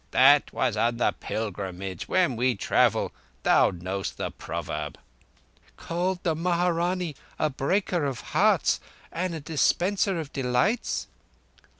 That was on the pilgrimage. When we travel—thou knowest the proverb." "Called the Maharanee a Breaker of Hearts and a Dispenser of Delights?"